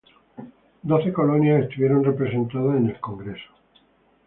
Doce colonias estuvieron representadas en el congreso.